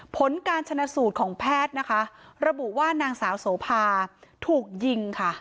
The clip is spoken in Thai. ผลการชนะสูตรของแพทย์นะคะระบุว่านางสาวโสภาถูกยิงค่ะ